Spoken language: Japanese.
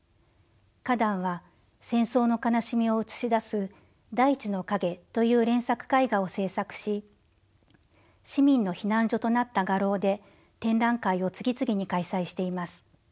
カダンは戦争の悲しみを映し出す「大地の影」という連作絵画を制作し市民の避難所となった画廊で展覧会を次々に開催しています。